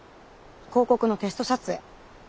広告のテスト撮影。